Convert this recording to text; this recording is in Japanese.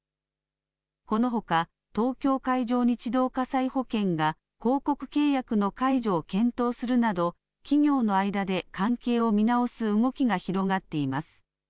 このほか、東京海上日動火災保険が広告契約の解除を検討するなど、企業の間で関係を見直す動きが広がっています。